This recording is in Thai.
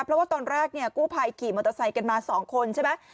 เพราะว่าตอนแรกเนี่ยกู้ภัยขี่มอเตอร์ไซค์กันมา๒คนใช่ไหม